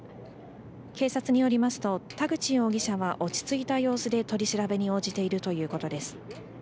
警察によりますと田口容疑者は落ち着いた様子で取り調べに応じているということです。